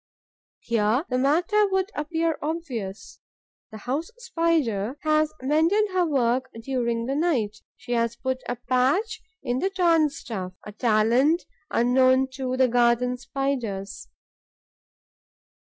Here, the matter would appear obvious. The House Spider has mended her work during the night; she has put a patch in the torn stuff, a talent unknown to the Garden Spiders.